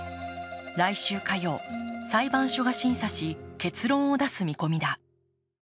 来週火曜裁判所が審査し、結論を出す見込みだ。